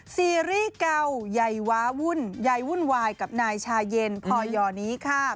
ซีรีส์เก่าใหญ่ว้าวุ่นใยวุ่นวายกับนายชาเย็นพอยนี้ค่ะ